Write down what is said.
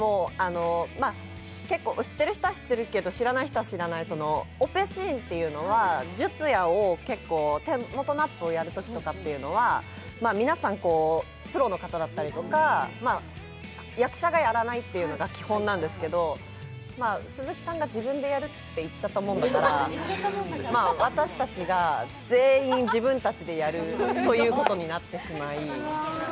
結構、知ってる人は知ってるけど、知らない人は知らないオペシーンというのは術野をやるときには、皆さんプロの方だったりとか役者がやらないのが基本なんですけど、鈴木さんが自分でやるって言っちゃったもんだから私たちが全員自分たちでやるということになってしまい。